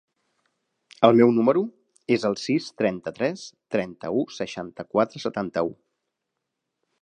El meu número es el sis, trenta-tres, trenta-u, seixanta-quatre, setanta-u.